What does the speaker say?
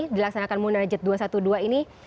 dilaksanakan munajat dua ratus dua belas ini